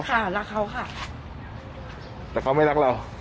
รักเขาค่ะแต่เขาไม่รักเรา